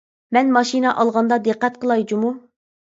مەن ماشىنا ئالغاندا دىققەت قىلاي جۇمۇ.